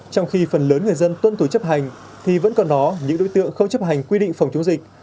trong khi phần lớn người dân tuân thủ chấp hành thì vẫn còn đó những đối tượng không chấp hành quy định phòng chống dịch